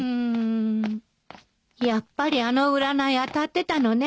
やっぱりあの占い当たってたのね